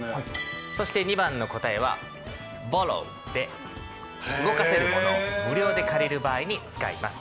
そして２番の答えは「ｂｏｒｒｏｗ」で動かせるものを無料で借りる場合に使います。